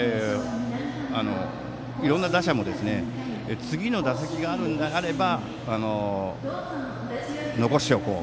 いろんな打者も次の打席があるのであれば残しておこう。